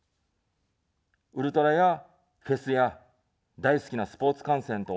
ウルトラやフェスや、大好きなスポーツ観戦と同じです。